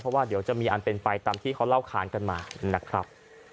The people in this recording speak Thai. เพราะว่าเดี๋ยวจะมีอันเป็นไปตามที่เขาเล่าค้านกันมานะครับ